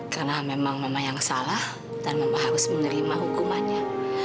karena memang mama yang salah dan mama harus menerima hukumannya